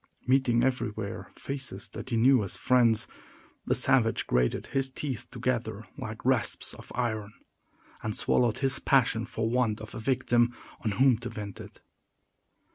Meeting everywhere faces that he knew as friends, the savage grated his teeth together like rasps of iron, and swallowed his passion for want of a victim on whom to vent it.